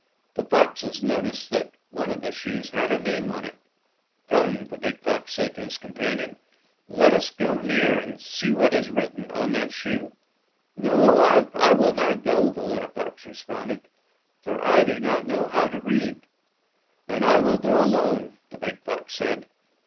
The foxes noticed that one of the shoes had a name on it. '' Come," the big fox said to his companion, 'Tet us go near and see what is written on that shoe." "No, I will not go," the little fox re sponded, "for I do not know how to read." "Then I will go alone," the big fox said.